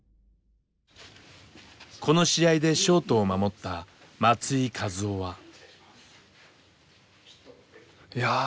この試合でショートを守った松井稼頭央は。